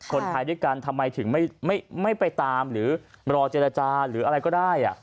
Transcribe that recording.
คนไทยด้วยกันทำไมถึงไม่ไปตามหรือรอเจรจาหรืออะไรก็ได้